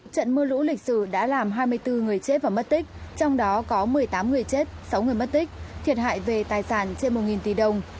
trận mưa lũ lịch sử đã làm hai mươi bốn người chết và mất tích trong đó có một mươi tám người chết sáu người mất tích thiệt hại về tài sản trên một tỷ đồng